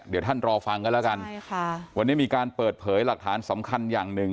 เดี๋ยวท่านรอฟังกันแล้วกันใช่ค่ะวันนี้มีการเปิดเผยหลักฐานสำคัญอย่างหนึ่ง